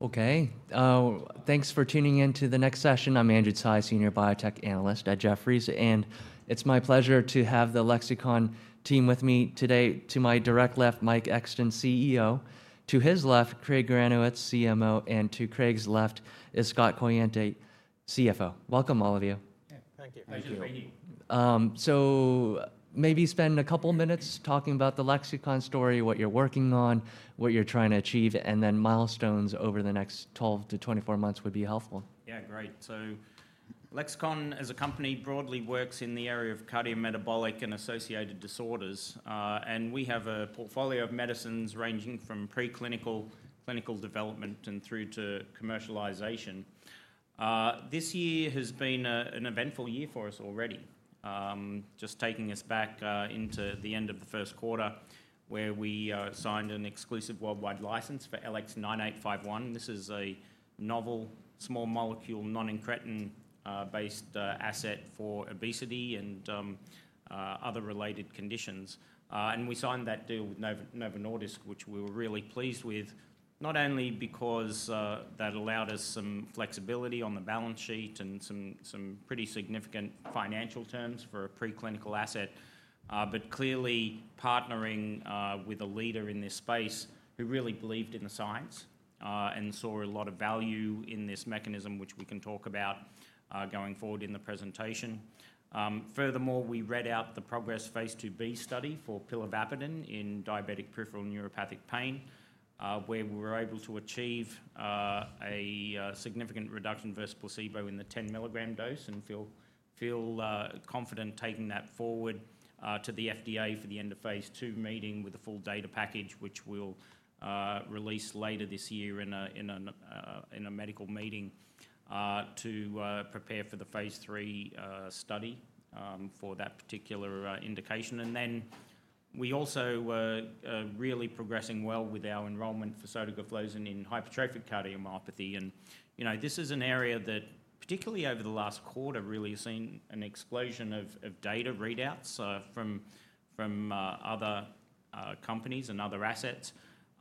Okay. Thanks for tuning in to the next session. I'm Andrew Tsai, Senior Biotech Analyst at Jefferies Financial Group Inc, and it's my pleasure to have the Lexicon Pharmaceuticals, Inc team with me today. To my direct left, Mike Exton, CEO. To his left, Craig Granowitz, CMO. And to Craig's left is Scott Coiante, CFO. Welcome, all of you. Thank you. Thank you, Brady. Maybe spend a couple of minutes talking about the Lexicon story, what you're working on, what you're trying to achieve, and then milestones over the next 12 to 24 months would be helpful. Yeah, great. Lexicon, as a company, broadly works in the area of cardiometabolic and associated disorders. We have a portfolio of medicines ranging from preclinical, clinical development, and through to commercialization. This year has been an eventful year for us already, just taking us back into the end of the first quarter, where we signed an exclusive worldwide license for LX9851. This is a novel small molecule non-encretin-based asset for obesity and other related conditions. We signed that deal with Novo Nordisk, which we were really pleased with, not only because that allowed us some flexibility on the balance sheet and some pretty significant financial terms for a preclinical asset, but clearly partnering with a leader in this space who really believed in the science and saw a lot of value in this mechanism, which we can talk about going forward in the presentation. Furthermore, we read out the PROGRESS phase II-B study for pilavapadin in diabetic peripheral neuropathic pain, where we were able to achieve a significant reduction versus placebo in the 10 milligram dose and feel confident taking that forward to the FDA for the end of phase II meeting with a full data package, which we'll release later this year in a medical meeting to prepare for the phase III study for that particular indication. We also are really progressing well with our enrollment for sotagliflozin in hypertrophic cardiomyopathy. This is an area that, particularly over the last quarter, really has seen an explosion of data readouts from other companies and other assets.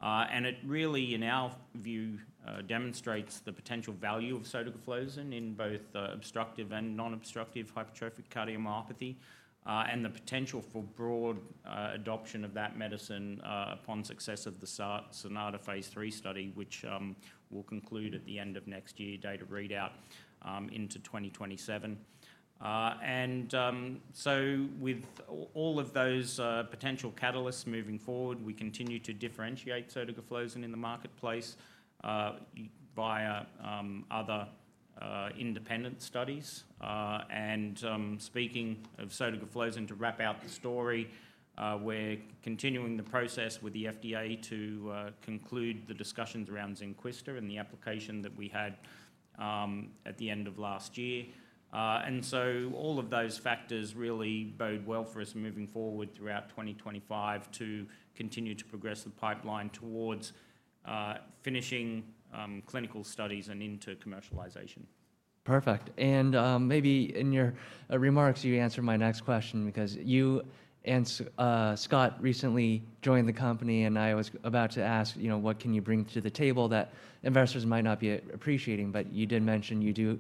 It really, in our view, demonstrates the potential value of sotagliflozin in both obstructive and non-obstructive hypertrophic cardiomyopathy and the potential for broad adoption of that medicine upon success of the SONATA phase III study, which will conclude at the end of next year, data readout into 2027. With all of those potential catalysts moving forward, we continue to differentiate sotagliflozin in the marketplace via other independent studies. Speaking of sotagliflozin, to wrap out the story, we're continuing the process with the FDA to conclude the discussions around Zynquista and the application that we had at the end of last year. All of those factors really bode well for us moving forward throughout 2025 to continue to progress the pipeline towards finishing clinical studies and into commercialization. Perfect. Maybe in your remarks, you answered my next question because you and Scott recently joined the company, and I was about to ask, what can you bring to the table that investors might not be appreciating? You did mention you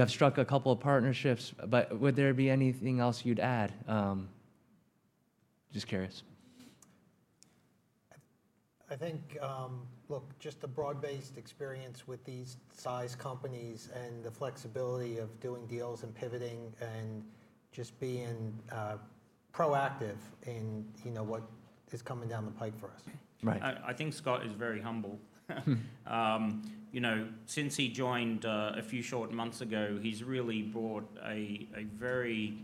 have struck a couple of partnerships. Would there be anything else you'd add? Just curious. I think, look, just the broad-based experience with these size companies and the flexibility of doing deals and pivoting and just being proactive in what is coming down the pike for us. Right. I think Scott is very humble. Since he joined a few short months ago, he's really brought a very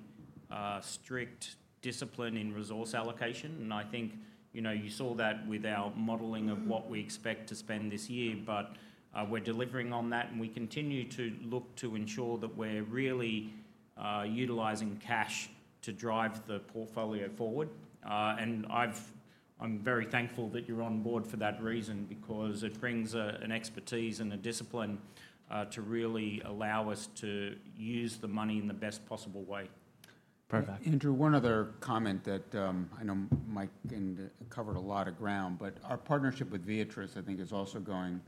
strict discipline in resource allocation. I think you saw that with our modeling of what we expect to spend this year. We're delivering on that, and we continue to look to ensure that we're really utilizing cash to drive the portfolio forward. I'm very thankful that you're on board for that reason because it brings an expertise and a discipline to really allow us to use the money in the best possible way. Perfect. Andrew, one other comment that I know Mike covered a lot of ground, but our partnership with Viatris, Inc, I think, is also going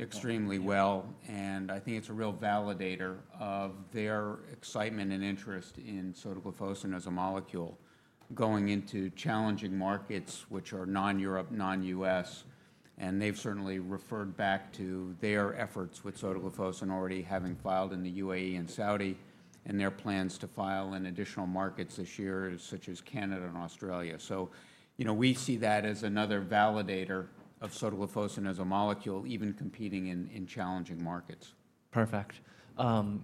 extremely well. I think it's a real validator of their excitement and interest in sotagliflozin as a molecule going into challenging markets, which are non-Europe, non-U.S. They have certainly referred back to their efforts with sotagliflozin already having filed in the UAE and Saudi Arabia and their plans to file in additional markets this year, such as Canada and Australia. We see that as another validator of sotagliflozin as a molecule, even competing in challenging markets. Perfect.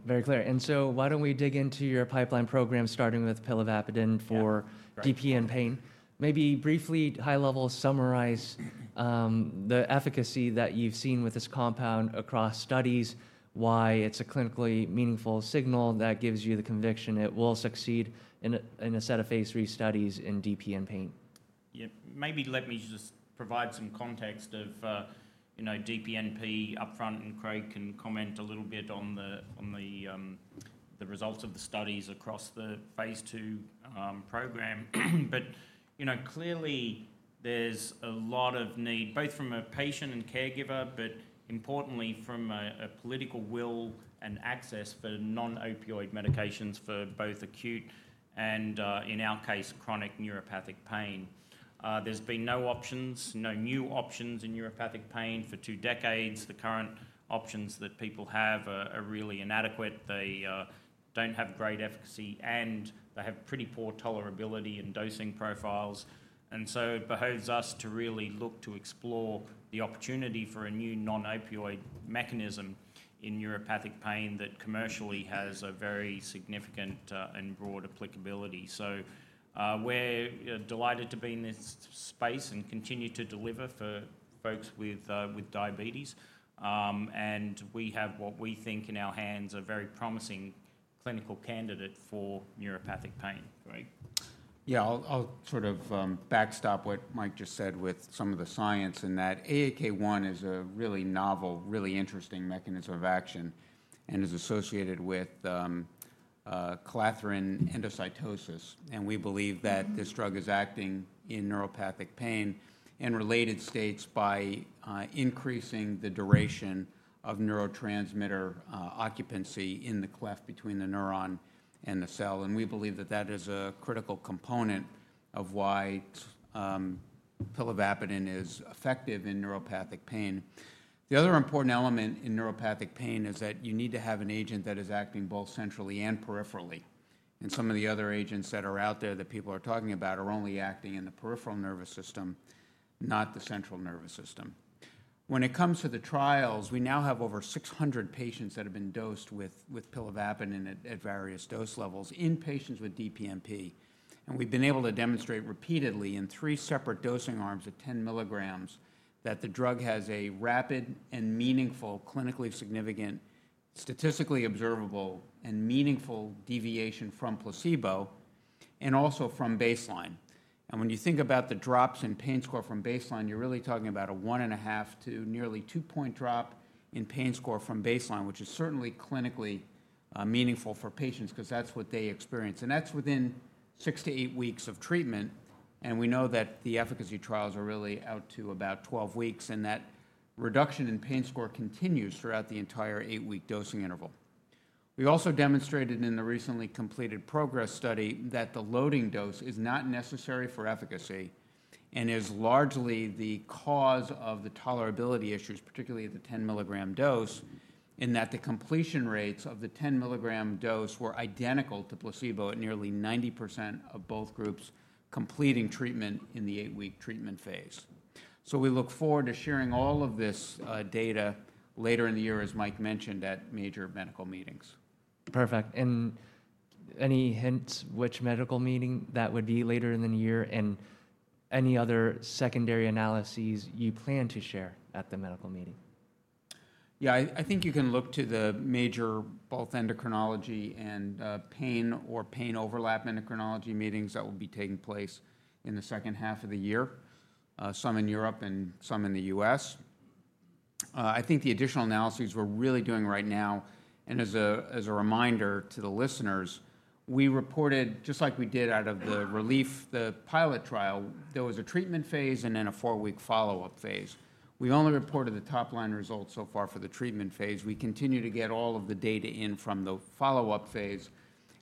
Very clear. Why don't we dig into your pipeline program, starting with pilavapadin for DPNP and pain? Maybe briefly, high level, summarize the efficacy that you've seen with this compound across studies, why it's a clinically meaningful signal that gives you the conviction it will succeed in a set of phase III studies in DPN pain. Yeah. Maybe let me just provide some context of DPNP upfront, and Craig can comment a little bit on the results of the studies across the phase II program. Clearly, there's a lot of need, both from a patient and caregiver, but importantly, from a political will and access for non-opioid medications for both acute and, in our case, chronic neuropathic pain. There's been no options, no new options in neuropathic pain for two decades. The current options that people have are really inadequate. They don't have great efficacy, and they have pretty poor tolerability and dosing profiles. It behooves us to really look to explore the opportunity for a new non-opioid mechanism in neuropathic pain that commercially has a very significant and broad applicability. We're delighted to be in this space and continue to deliver for folks with diabetes. We have what we think in our hands a very promising clinical candidate for neuropathic pain. Great. Yeah. I'll sort of backstop what Mike just said with some of the science in that AAK1 is a really novel, really interesting mechanism of action and is associated with clathrin endocytosis. And we believe that this drug is acting in neuropathic pain and related states by increasing the duration of neurotransmitter occupancy in the cleft between the neuron and the cell. And we believe that that is a critical component of why pilavapadin is effective in neuropathic pain. The other important element in neuropathic pain is that you need to have an agent that is acting both centrally and peripherally. And some of the other agents that are out there that people are talking about are only acting in the peripheral nervous system, not the central nervous system. When it comes to the trials, we now have over 600 patients that have been dosed with pilavapadin at various dose levels in patients with DPNP. We have been able to demonstrate repeatedly in three separate dosing arms at 10 milligrams that the drug has a rapid and meaningful, clinically significant, statistically observable, and meaningful deviation from placebo and also from baseline. When you think about the drops in pain score from baseline, you are really talking about a one and a half to nearly two-point drop in pain score from baseline, which is certainly clinically meaningful for patients because that is what they experience. That is within six to eight weeks of treatment. We know that the efficacy trials are really out to about 12 weeks, and that reduction in pain score continues throughout the entire eight-week dosing interval. We also demonstrated in the recently completed PROGRESS study that the loading dose is not necessary for efficacy and is largely the cause of the tolerability issues, particularly at the 10 milligram dose, in that the completion rates of the 10 milligram dose were identical to placebo at nearly 90% of both groups completing treatment in the eight-week treatment phase. We look forward to sharing all of this data later in the year, as Mike mentioned, at major medical meetings. Perfect. Any hints which medical meeting that would be later in the year and any other secondary analyses you plan to share at the medical meeting? Yeah, I think you can look to the major both endocrinology and pain or pain overlap endocrinology meetings that will be taking place in the second half of the year, some in Europe and some in the U.S. I think the additional analyses we're really doing right now, and as a reminder to the listeners, we reported, just like we did out of the RELIEF, the pilot trial, there was a treatment phase and then a four-week follow-up phase. We've only reported the top-line results so far for the treatment phase. We continue to get all of the data in from the follow-up phase,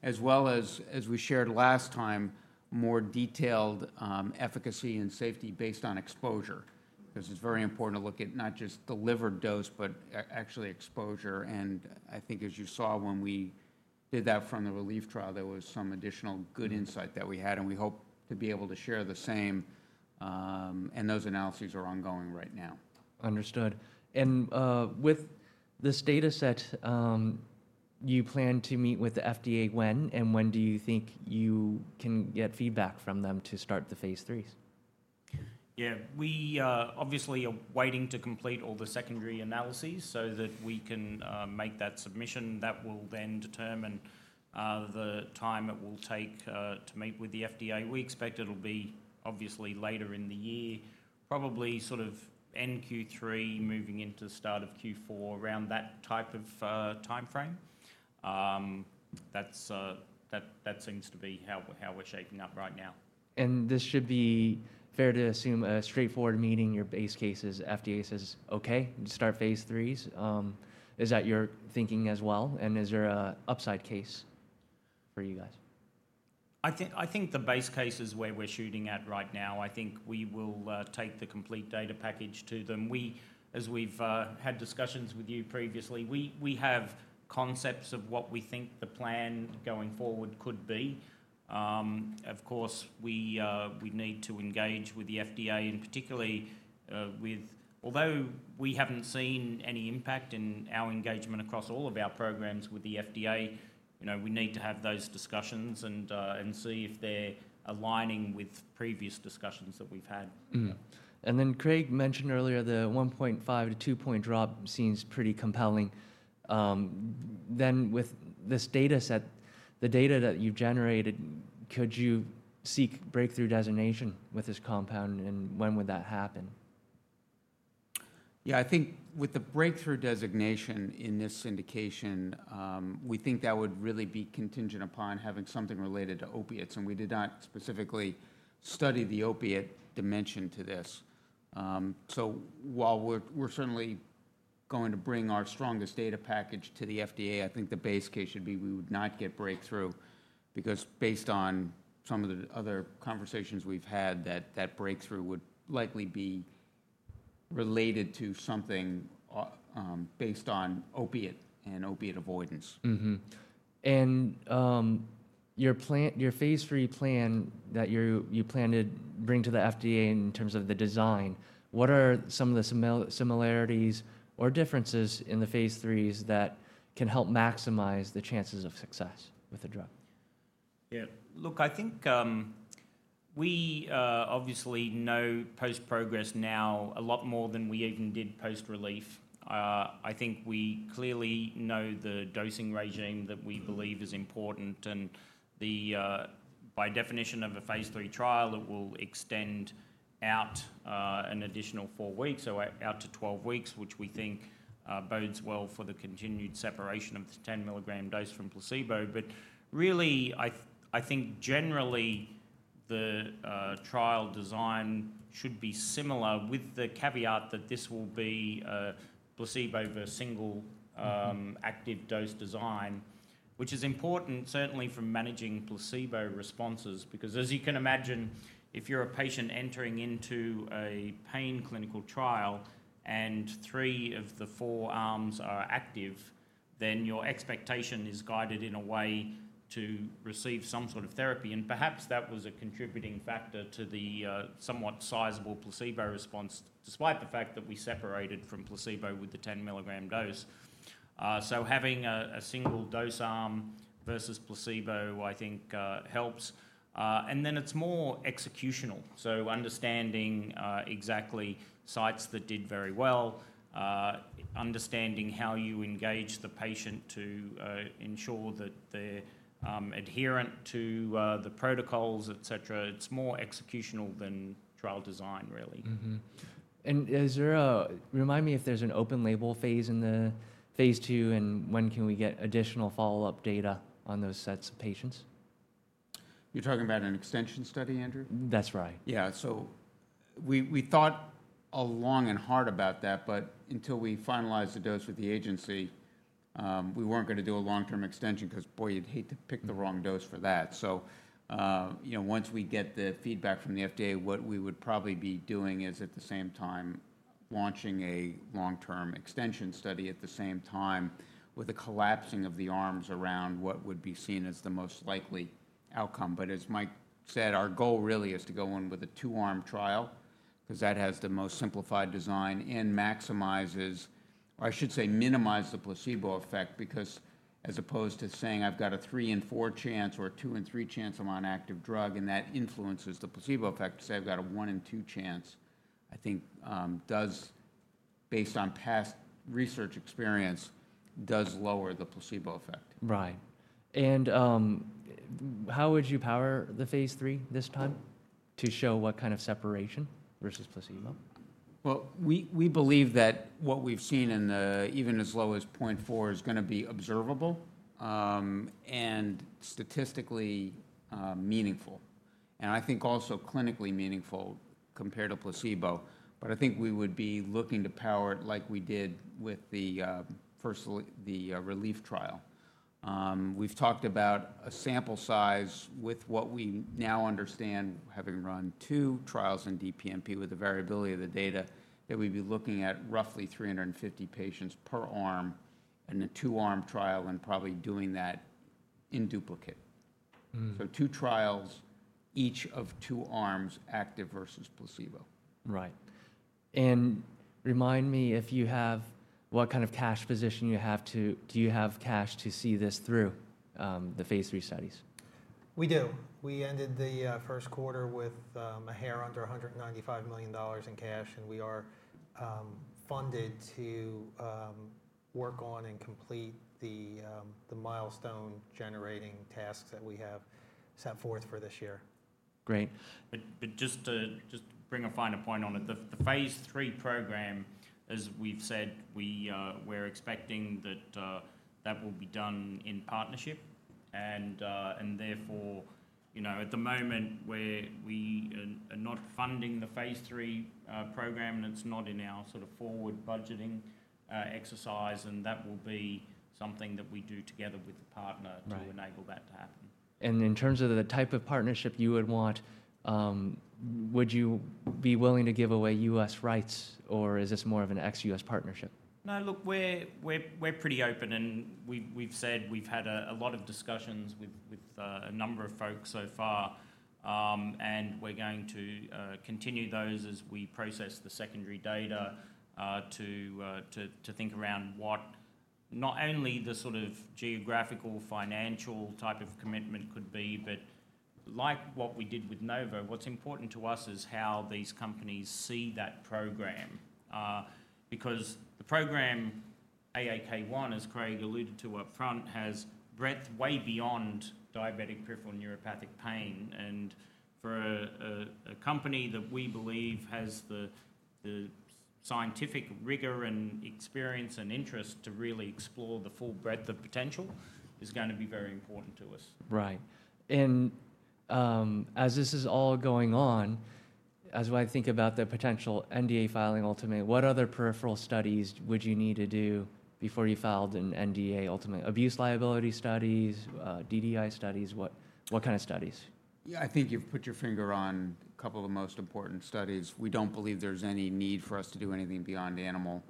as well as, as we shared last time, more detailed efficacy and safety based on exposure because it's very important to look at not just the liver dose, but actually exposure. I think, as you saw when we did that from the RELIEF trial, there was some additional good insight that we had, and we hope to be able to share the same. Those analyses are ongoing right now. Understood. With this data set, you plan to meet with the FDA when? When do you think you can get feedback from them to start the phase III's? Yeah. We obviously are waiting to complete all the secondary analyses so that we can make that submission. That will then determine the time it will take to meet with the FDA. We expect it'll be obviously later in the year, probably sort of end Q3, moving into the start of Q4, around that type of time frame. That seems to be how we're shaping up right now. This should be fair to assume a straightforward meeting. Your base case is FDA says, "Okay, start phase III's." Is that your thinking as well? Is there an upside case for you guys? I think the base case is where we're shooting at right now. I think we will take the complete data package to them. As we've had discussions with you previously, we have concepts of what we think the plan going forward could be. Of course, we need to engage with the FDA, and particularly with, although we haven't seen any impact in our engagement across all of our programs with the FDA, we need to have those discussions and see if they're aligning with previous discussions that we've had. Craig mentioned earlier the 1.5 to 2-point drop seems pretty compelling. Then with this data set, the data that you've generated, could you seek breakthrough therapy designation with this compound, and when would that happen? Yeah, I think with the breakthrough designation in this indication, we think that would really be contingent upon having something related to opiates. We did not specifically study the opiate dimension to this. While we are certainly going to bring our strongest data package to the FDA, I think the base case should be we would not get breakthrough because based on some of the other conversations we have had, that breakthrough would likely be related to something based on opiate and opiate avoidance. Your phase III plan that you plan to bring to the FDA in terms of the design, what are some of the similarities or differences in the phase III's that can help maximize the chances of success with the drug? Yeah. Look, I think we obviously know post-progress now a lot more than we even did post-RELIEF. I think we clearly know the dosing regime that we believe is important. By definition of a phase III trial, it will extend out an additional four weeks, so out to 12 weeks, which we think bodes well for the continued separation of the 10 milligram dose from placebo. Really, I think generally the trial design should be similar with the caveat that this will be placebo versus single active dose design, which is important certainly for managing placebo responses. Because as you can imagine, if you're a patient entering into a pain clinical trial and three of the four arms are active, then your expectation is guided in a way to receive some sort of therapy. Perhaps that was a contributing factor to the somewhat sizable placebo response, despite the fact that we separated from placebo with the 10 milligram dose. Having a single dose arm versus placebo, I think, helps. It is more executional. Understanding exactly sites that did very well, understanding how you engage the patient to ensure that they are adherent to the protocols, et cetera. It is more executional than trial design, really. Remind me if there's an open label phase in the phase II and when can we get additional follow-up data on those sets of patients? You're talking about an extension study, Andrew? That's right. Yeah. So we thought long and hard about that, but until we finalized the dose with the agency, we were not going to do a long-term extension because, boy, you would hate to pick the wrong dose for that. Once we get the feedback from the FDA, what we would probably be doing is at the same time launching a long-term extension study with a collapsing of the arms around what would be seen as the most likely outcome. As Mike said, our goal really is to go in with a two-arm trial because that has the most simplified design and maximizes, or I should say minimizes, the placebo effect. Because as opposed to saying, "I've got a three in four chance or a two in three chance I'm on active drug," and that influences the placebo effect, to say, "I've got a one in two chance," I think, based on past research experience, does lower the placebo effect. Right. How would you power the phase III this time to show what kind of separation versus placebo? We believe that what we've seen in even as low as 0.4 is going to be observable and statistically meaningful. I think also clinically meaningful compared to placebo. I think we would be looking to power it like we did with the first, the RELIEF trial. We've talked about a sample size with what we now understand, having run two trials in DPNP with the variability of the data, that we'd be looking at roughly 350 patients per arm in a two-arm trial and probably doing that in duplicate. Two trials, each of two arms active versus placebo. Right. Remind me if you have what kind of cash position you have. Do you have cash to see this through the phase III studies? We do. We ended the first quarter with a hair under $195 million in cash, and we are funded to work on and complete the milestone-generating tasks that we have set forth for this year. Great. Just to bring a finer point on it, the phase III program, as we've said, we're expecting that that will be done in partnership. Therefore, at the moment, we are not funding the phase III program, and it's not in our sort of forward budgeting exercise. That will be something that we do together with the partner to enable that to happen. In terms of the type of partnership you would want, would you be willing to give away US rights, or is this more of an ex-US partnership? No, look, we're pretty open. We have said we've had a lot of discussions with a number of folks so far, and we're going to continue those as we process the secondary data to think around what not only the sort of geographical financial type of commitment could be, but like what we did with Novo Nordisk, what's important to us is how these companies see that program. Because the program, AAK1, as Craig alluded to upfront, has breadth way beyond diabetic peripheral neuropathic pain. For a company that we believe has the scientific rigor and experience and interest to really explore the full breadth of potential is going to be very important to us. Right. As this is all going on, as I think about the potential NDA filing ultimately, what other peripheral studies would you need to do before you filed an NDA ultimately? Abuse liability studies, DDI studies? What kind of studies? Yeah, I think you've put your finger on a couple of the most important studies. We don't believe there's any need for us to do anything beyond animal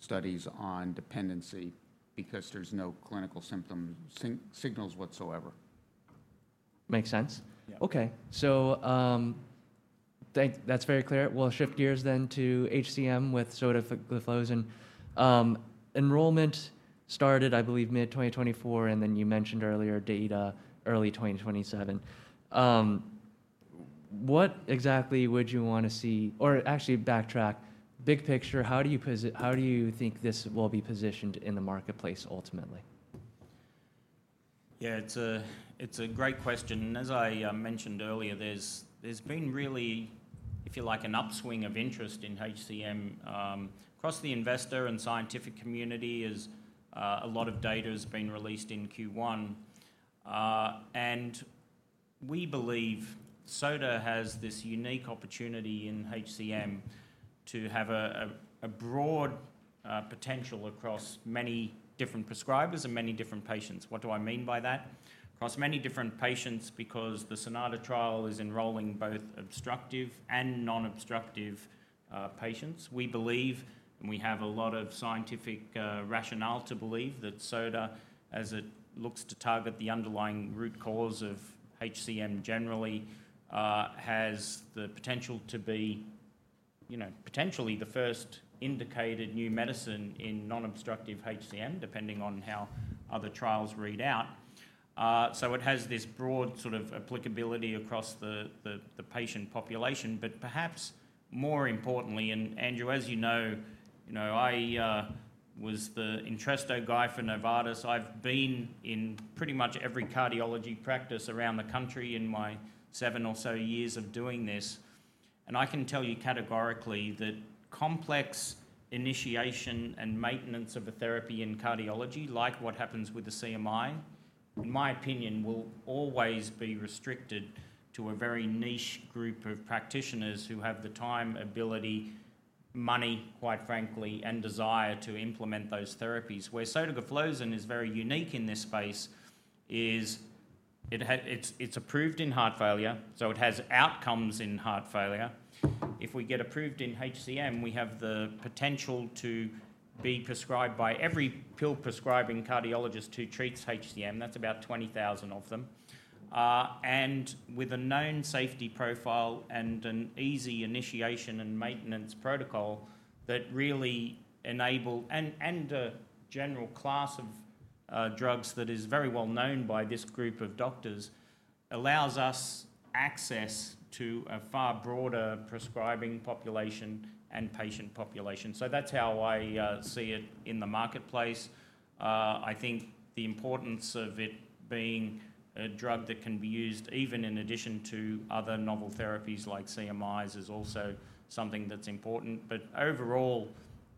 studies on dependency because there's no clinical signals whatsoever. Makes sense. Okay. That's very clear. We'll shift gears then to HCM with sotagliflozin. Enrollment started, I believe, mid-2024, and then you mentioned earlier data, early 2027. What exactly would you want to see? Or actually, backtrack. Big picture, how do you think this will be positioned in the marketplace ultimately? Yeah, it's a great question. As I mentioned earlier, there's been really, if you like, an upswing of interest in HCM across the investor and scientific community as a lot of data has been released in Q1. We believe Sota has this unique opportunity in HCM to have a broad potential across many different prescribers and many different patients. What do I mean by that? Across many different patients because the SONATA trial is enrolling both obstructive and non-obstructive patients. We believe, and we have a lot of scientific rationale to believe, that Sota, as it looks to target the underlying root cause of HCM generally, has the potential to be potentially the first indicated new medicine in non-obstructive HCM, depending on how other trials read out. It has this broad sort of applicability across the patient population. Perhaps more importantly, and Andrew, as you know, I was the Entresto guy for Novartis. I've been in pretty much every cardiology practice around the country in my seven or so years of doing this. I can tell you categorically that complex initiation and maintenance of a therapy in cardiology, like what happens with the CMI, in my opinion, will always be restricted to a very niche group of practitioners who have the time, ability, money, quite frankly, and desire to implement those therapies. Where sotagliflozin is very unique in this space is it's approved in heart failure, so it has outcomes in heart failure. If we get approved in HCM, we have the potential to be prescribed by every pill-prescribing cardiologist who treats HCM. That's about 20,000 of them. With a known safety profile and an easy initiation and maintenance protocol that really enables, and a general class of drugs that is very well known by this group of doctors, allows us access to a far broader prescribing population and patient population. That is how I see it in the marketplace. I think the importance of it being a drug that can be used even in addition to other novel therapies like CMIs is also something that is important. Overall,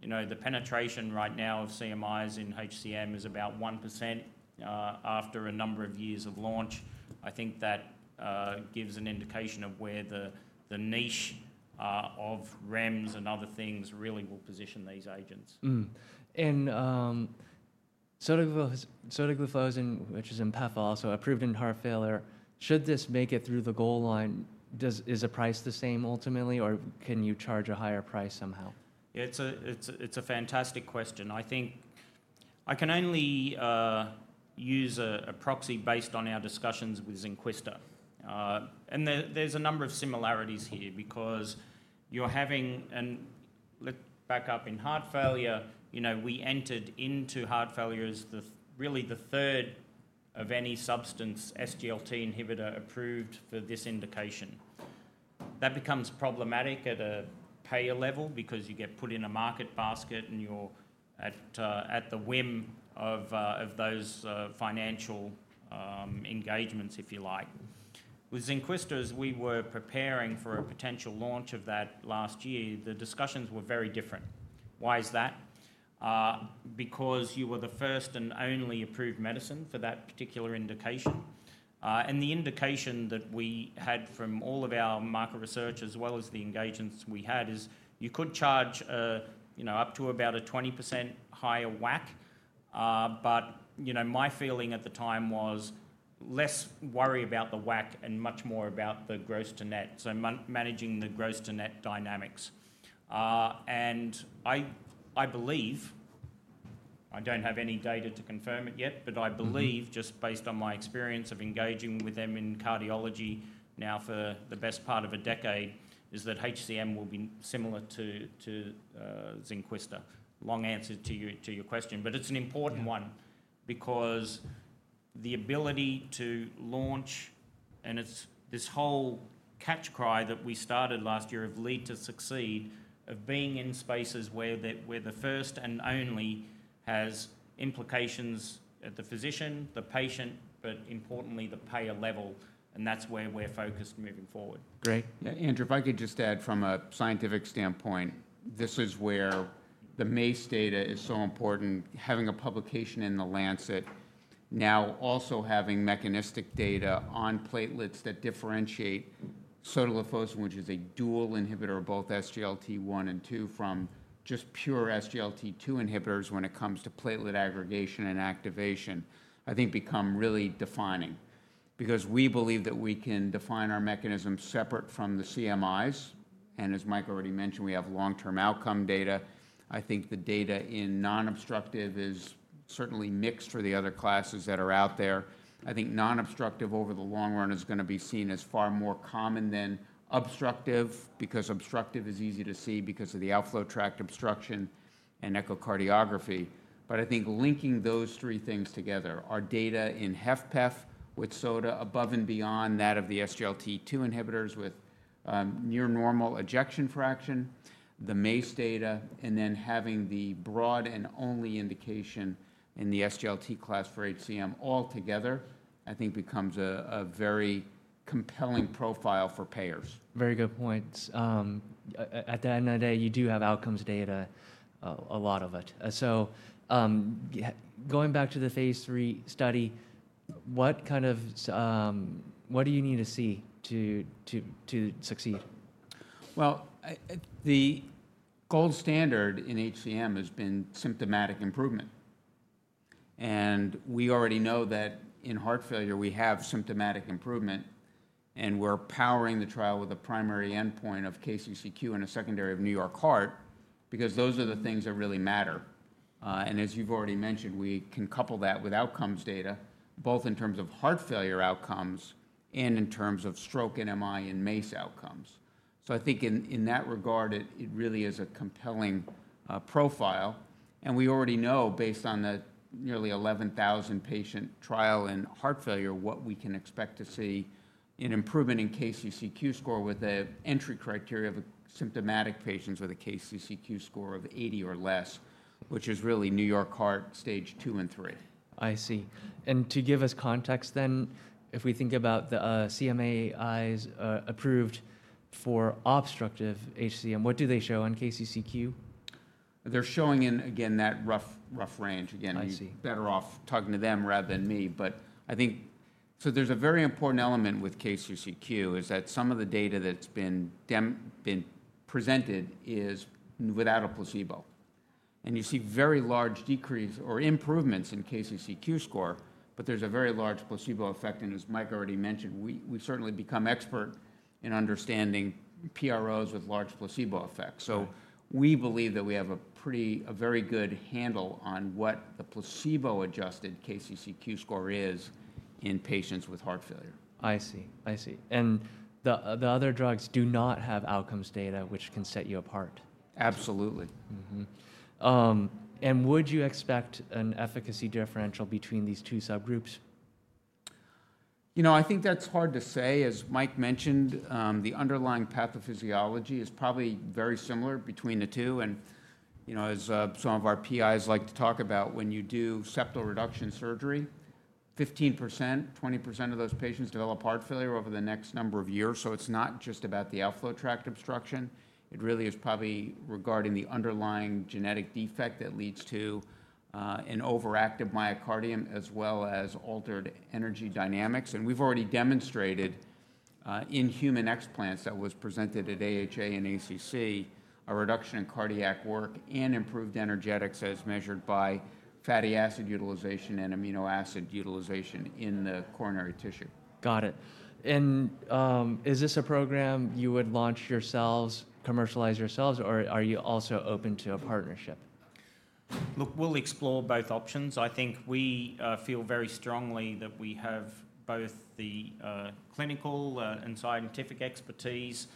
the penetration right now of CMIs in HCM is about 1% after a number of years of launch. I think that gives an indication of where the niche of REMs and other things really will position these agents. And sotagliflozin, which is in HFpEF also, approved in heart failure, should this make it through the goal line, is the price the same ultimately, or can you charge a higher price somehow? Yeah, it's a fantastic question. I think I can only use a proxy based on our discussions with Zynquista. And there's a number of similarities here because you're having an, let's back up, in heart failure. We entered into heart failure as really the third of any substance SGLT inhibitor approved for this indication. That becomes problematic at a payer level because you get put in a market basket and you're at the whim of those financial engagements, if you like. With Zynquista, as we were preparing for a potential launch of that last year, the discussions were very different. Why is that? Because you were the first and only approved medicine for that particular indication. The indication that we had from all of our market research as well as the engagements we had is you could charge up to about a 20% higher WAC, but my feeling at the time was less worry about the WAC and much more about the gross to net, so managing the gross to net dynamics. I believe, I do not have any data to confirm it yet, but I believe, just based on my experience of engaging with them in cardiology now for the best part of a decade, is that HCM will be similar to Zynquista. Long answer to your question, but it's an important one because the ability to launch and it's this whole catch cry that we started last year of lead to succeed, of being in spaces where the first and only has implications at the physician, the patient, but importantly, the payer level. That's where we're focused moving forward. Great. Andrew, if I could just add from a scientific standpoint, this is where the MACE data is so important, having a publication in The Lancet, now also having mechanistic data on platelets that differentiate sotagliflozin, which is a dual inhibitor of both SGLT1 and 2, from just pure SGLT2 inhibitors when it comes to platelet aggregation and activation, I think become really defining. Because we believe that we can define our mechanism separate from the CMIs. As Mike already mentioned, we have long-term outcome data. I think the data in non-obstructive is certainly mixed for the other classes that are out there. I think non-obstructive over the long run is going to be seen as far more common than obstructive because obstructive is easy to see because of the outflow tract obstruction and echocardiography. I think linking those three things together, our data in HFpEF with sota above and beyond that of the SGLT2 inhibitors with near normal ejection fraction, the MACE data, and then having the broad and only indication in the SGLT class for HCM altogether, I think becomes a very compelling profile for payers. Very good points. At the end of the day, you do have outcomes data, a lot of it. Going back to the phase III study, what kind of what do you need to see to succeed? The gold standard in HCM has been symptomatic improvement. We already know that in heart failure, we have symptomatic improvement, and we're powering the trial with a primary endpoint of KCCQ and a secondary of New York Heart because those are the things that really matter. As you've already mentioned, we can couple that with outcomes data, both in terms of heart failure outcomes and in terms of stroke and MI and MACE outcomes. I think in that regard, it really is a compelling profile. We already know, based on the nearly 11,000 patient trial in heart failure, what we can expect to see in improvement in KCCQ score with the entry criteria of symptomatic patients with a KCCQ score of 80 or less, which is really New York Heart stage 2 and 3. I see. And to give us context then, if we think about the CMAs approved for obstructive HCM, what do they show on KCCQ? They're showing in, again, that rough range. Again, you're better off talking to them rather than me. I think there's a very important element with KCCQ is that some of the data that's been presented is without a placebo. You see very large decrease or improvements in KCCQ score, but there's a very large placebo effect. As Mike already mentioned, we certainly become expert in understanding PROs with large placebo effects. We believe that we have a very good handle on what the placebo-adjusted KCCQ score is in patients with heart failure. I see. I see. The other drugs do not have outcomes data, which can set you apart. Absolutely. Would you expect an efficacy differential between these two subgroups? You know, I think that's hard to say. As Mike mentioned, the underlying pathophysiology is probably very similar between the two. As some of our PIs like to talk about, when you do septal reduction surgery, 15%-20% of those patients develop heart failure over the next number of years. It is not just about the outflow tract obstruction. It really is probably regarding the underlying genetic defect that leads to an overactive myocardium as well as altered energy dynamics. We have already demonstrated in human explants that was presented at AHA and ACC, a reduction in cardiac work and improved energetics as measured by fatty acid utilization and amino acid utilization in the coronary tissue. Got it. Is this a program you would launch yourselves, commercialize yourselves, or are you also open to a partnership? Look, we'll explore both options. I think we feel very strongly that we have both the clinical and scientific expertise.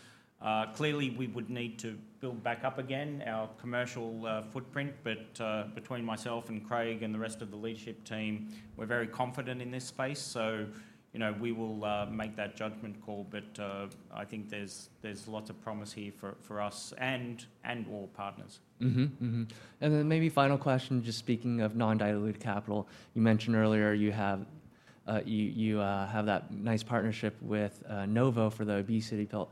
Clearly, we would need to build back up again our commercial footprint. Between myself and Craig and the rest of the leadership team, we're very confident in this space. We will make that judgment call. I think there's lots of promise here for us and all partners. Maybe final question, just speaking of non-dilute capital. You mentioned earlier you have that nice partnership with Novo Nordisk for the obesity pill.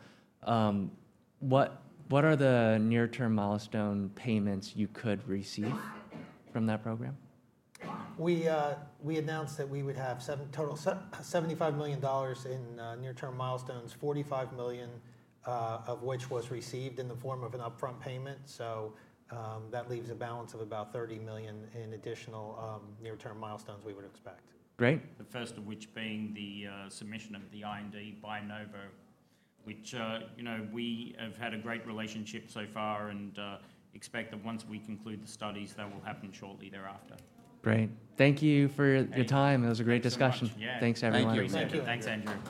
What are the near-term milestone payments you could receive from that program? We announced that we would have total $75 million in near-term milestones, $45 million of which was received in the form of an upfront payment. That leaves a balance of about $30 million in additional near-term milestones we would expect. Great. The first of which being the submission of the IND by Novo Nordisk, which we have had a great relationship so far and expect that once we conclude the studies, that will happen shortly thereafter. Great. Thank you for your time. It was a great discussion. Thanks, everyone. Thank you. Thanks, Andrew.